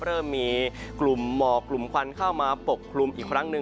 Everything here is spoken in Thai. เริ่มมีกลุ่มหมอกกลุ่มควันเข้ามาปกคลุมอีกครั้งหนึ่ง